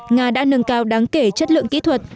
nga đã nâng cao đáng kể chất lượng kỹ thuật